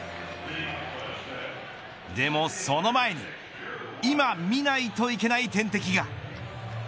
でもその前にいま、見ないといけない天敵が。